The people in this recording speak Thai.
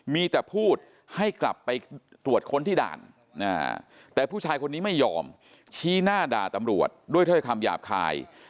มีแต่พูดให้กลับไปตรวจค้นที่ด่านแต่ผู้ชายคนนี้ไม่ยอมชี้หน้าด่าตำรวจด้วยถ้อยคำหยาบคาย